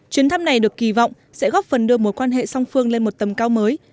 chuyến thăm này được kỳ vọng sẽ góp phần đưa mối quan hệ song phương lên một tầm cao mới